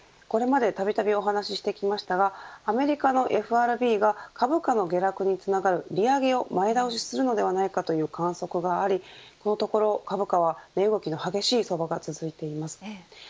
これまでたびたびお話してきましたがアメリカのＦＲＢが株価の下落につながる利上げを前倒しするのではないかという観測がありこのところ株価は値動きの激しい相場が続いています。